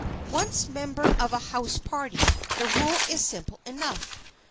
Once a member of a house party, the rule is simple enough.